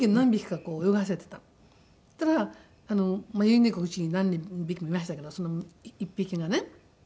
そしたら迷い猫がうちに何匹もいましたからその１匹がね